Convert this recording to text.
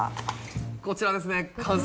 こちらですね完成。